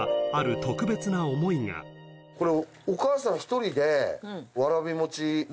これ。